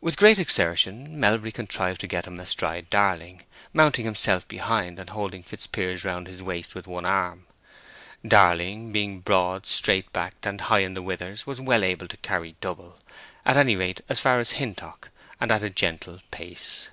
With great exertion Melbury contrived to get him astride Darling, mounting himself behind, and holding Fitzpiers round his waist with one arm. Darling being broad, straight backed, and high in the withers, was well able to carry double, at any rate as far as Hintock, and at a gentle pace.